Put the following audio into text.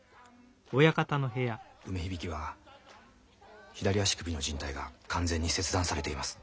梅響は左足首のじん帯が完全に切断されています。